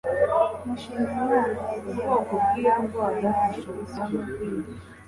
Mushimiyimana yagiye guhaha ibirayi kw’isoko